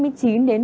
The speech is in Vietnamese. đến biển đông